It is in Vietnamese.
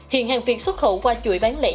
hiện hàng việc xuất khẩu qua chuỗi bán lẻ